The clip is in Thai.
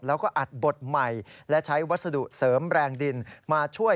แล้วก็อัดบทใหม่และใช้วัสดุเสริมแรงดินมาช่วย